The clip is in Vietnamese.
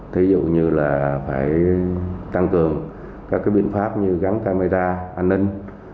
thí dụ như là phải tăng cường các biện pháp như gắn camera an ninh